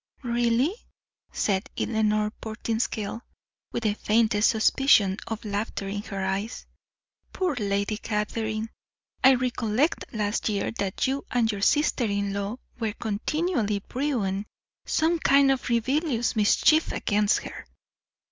"Really?" said Eleanor Portinscale, with the faintest suspicion of laughter in her eyes. "Poor Lady Catherine! I recollect last year that you and your sister in law were continually brewing some kind of rebellious mischief against her."